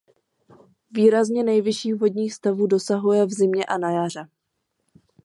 Výrazně nejvyšších vodních stavů dosahuje v zimě a na jaře.